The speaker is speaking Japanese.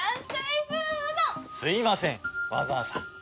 すいませんわざわざ。